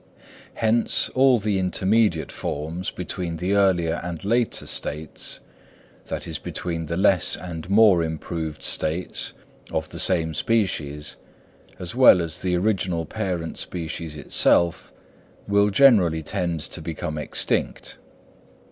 Hence all the intermediate forms between the earlier and later states, that is between the less and more improved states of a the same species, as well as the original parent species itself, will generally tend to become extinct.